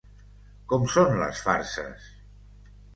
Com són les farses?